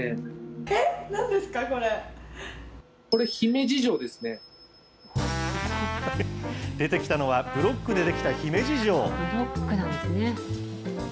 え、出てきたのは、ブロックで出来た姫路城。